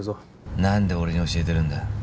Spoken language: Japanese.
何で俺に教えてるんだ